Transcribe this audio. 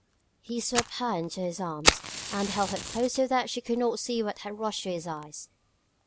He swept her into his arms, and held her so close that she could not see what had rushed to his eyes.